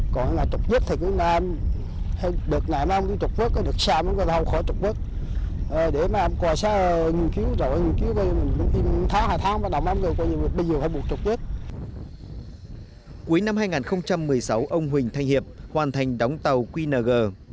cuối năm hai nghìn một mươi sáu ông huỳnh thanh hiệp hoàn thành đóng tàu qng